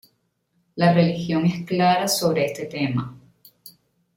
La religión es clara sobre este tema.